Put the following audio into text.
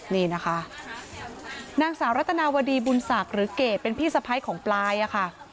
นี่นะคะนางสาวรัตนาวดีบุญศักดิ์หรือเกรดเป็นพี่สะพ้ายของปลายอะค่ะ